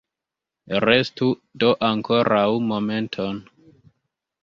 Restu do ankoraŭ momenton!